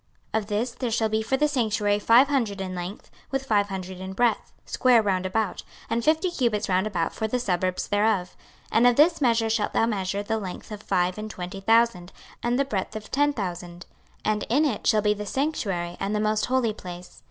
26:045:002 Of this there shall be for the sanctuary five hundred in length, with five hundred in breadth, square round about; and fifty cubits round about for the suburbs thereof. 26:045:003 And of this measure shalt thou measure the length of five and twenty thousand, and the breadth of ten thousand: and in it shall be the sanctuary and the most holy place.